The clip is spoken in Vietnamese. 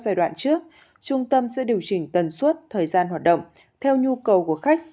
giai đoạn trước trung tâm sẽ điều chỉnh tần suất thời gian hoạt động theo nhu cầu của khách